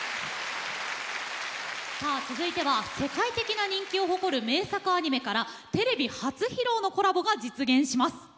さあ続いては世界的な人気を誇る名作アニメからテレビ初披露のコラボが実現します。